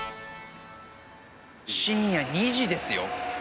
深夜２時ですよ。